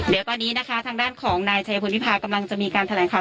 ลุงคนขามเรื่องต้นเจ้าหน้าที่ได้แจ้งโฆหา